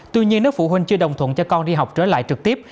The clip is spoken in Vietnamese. tuy nhiên nếu phụ huynh chưa đồng thuận cho con đi học trở lại trực tiếp